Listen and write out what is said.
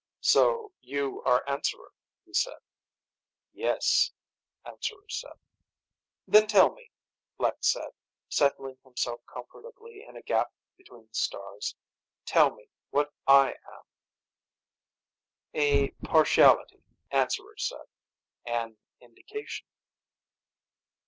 "So you are Answerer," he said. "Yes," Answerer said. "Then tell me," Lek said, settling himself comfortably in a gap between the stars, "Tell me what I am." "A partiality," Answerer said. "An indication."